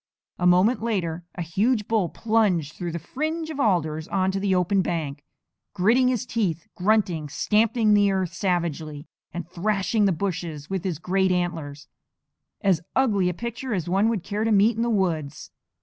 A moment later a huge bull plunged through the fringe of alders onto the open bank, gritting his teeth, grunting, stamping the earth savagely, and thrashing the bushes with his great antlers as ugly a picture as one would care to meet in the woods.